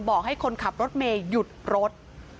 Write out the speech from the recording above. บอกให้คนขับรถเมย์หยุดรถ